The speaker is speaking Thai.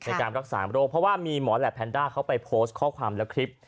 ในการรักษาโรคเพราะว่ามีหมอแหลปแพนด้าเขาไปโพสต์ข้อความและคลิป